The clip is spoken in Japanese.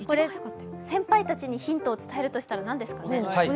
先輩たちにヒントを伝えるとしたら、何ですか？